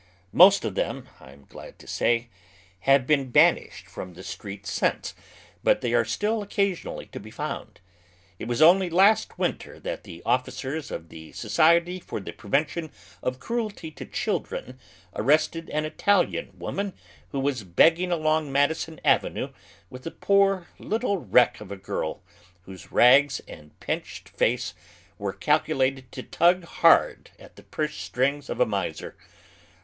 Most of them, I am glad to say, have been banished from the street since; but they are still occasionally to be found. It was only last winter that the officers of the Society for the Prevention of Cruelty to Children arrested an Italian woman who was begging along Madison Avenue with a poor little wreck of a girl, wliose rags and pinched face were calculated to tug hard at the purse strings of a miser.